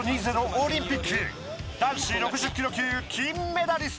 オリンピック男子６０キロ級金メダリスト。